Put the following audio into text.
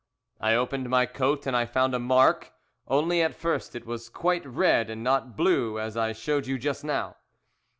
I opened my coat and I found a mark, only at first it was quite red and not blue as I showed you just now.